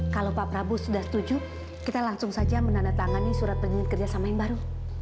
kalau pak prabowo sudah setuju kita langsung saja menandatangani surat penyelidikan kerjasama yang baru